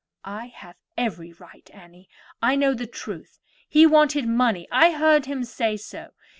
"I have every right, Annie; I know the truth. He wanted money; I heard him say so.